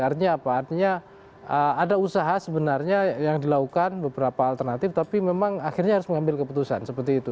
artinya apa artinya ada usaha sebenarnya yang dilakukan beberapa alternatif tapi memang akhirnya harus mengambil keputusan seperti itu